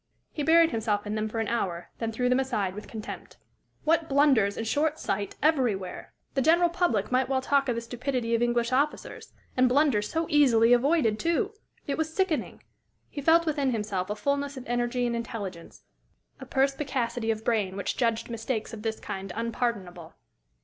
He buried himself in them for an hour, then threw them aside with contempt. What blunders and short sight everywhere! The general public might well talk of the stupidity of English officers. And blunders so easily avoided, too! It was sickening. He felt within himself a fulness of energy and intelligence, a perspicacity of brain which judged mistakes of this kind unpardonable.